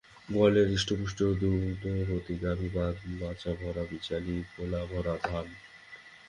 গোয়ালে হৃষ্টপুষ্ট দুগ্ধবতী গাভী বঁধা, মাচা ভরা বিচালি, গোলা ভরা ধান।